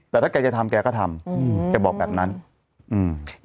แต่ถ้าแกจะทำแกก็ทำอืมแกบอกแบบนั้นอืม